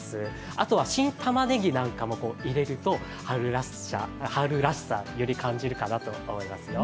あとは新タマネギなんかも入れると春らしさ、より感じるかなと思いますよ。